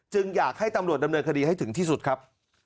อยากให้ตำรวจดำเนินคดีให้ถึงที่สุดครับ